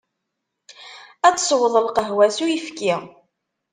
Ad tesweḍ lqahwa s uyefki.